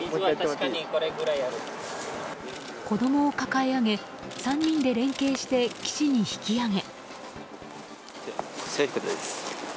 子供を抱え上げ３人で連係して岸に引き上げ。